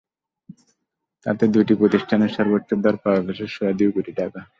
তাতে দুটি প্রতিষ্ঠানের সর্বোচ্চ দর পাওয়া গেছে সোয়া দুই কোটি টাকা।